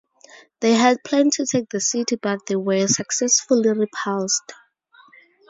They had planned to take the city but they were successfully repulsed.